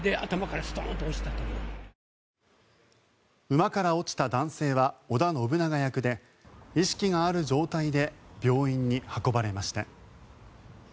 馬から落ちた男性は織田信長役で意識がある状態で病院に運ばれました。